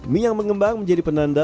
mie yang mengembang menjadi penanda